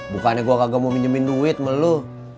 bukannya gue kagak mau minjemin duit melu